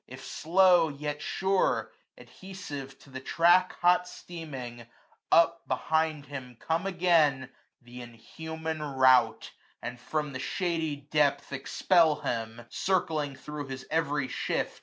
If slow, yet sure, adhesive to the track Hot steaming, up behind him come again Th' inhuman rout, and from the shady depth Expel him, circling thro* his every shift.